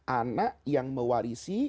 anak yang mewarisi